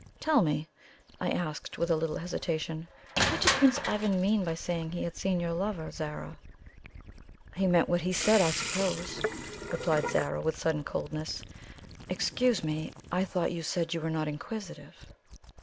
"Tell me," I asked with a little hesitation, "what did Prince Ivan mean by saying he had seen your lover, Zara?" "He meant what he said, I suppose," replied Zara, with sudden coldness. "Excuse me, I thought you said you were not inquisitive."